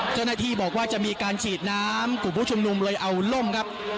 เจ้าหน้าที่บอกว่าจะมีการฉีดน้ำกลุ่มผู้ชุมนุมเลยเอาล่มครับ